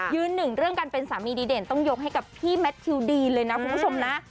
หนึ่งเรื่องการเป็นสามีดีเด่นต้องยกให้กับพี่แมททิวดีนเลยนะคุณผู้ชมนะ